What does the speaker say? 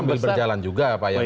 mungkin sambil berjalan juga pak